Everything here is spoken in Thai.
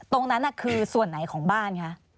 ตรงนั้นคือส่วนไหนของบ้านคะ